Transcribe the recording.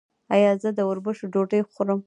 ایا زه د وربشو ډوډۍ وخورم؟